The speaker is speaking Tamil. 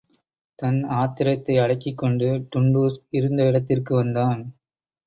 தன் ஆத்திரத்தை அடக்கிக் கொண்டு டுண்டுஷ் இருந்த இடத்திற்கு வந்தான்.